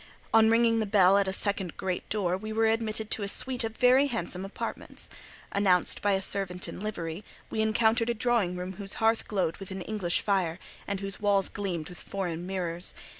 On ringing the bell at a second great door, we were admitted to a suite of very handsome apartments. Announced by a servant in livery, we entered a drawing room whose hearth glowed with an English fire, and whose walls gleamed with foreign mirrors.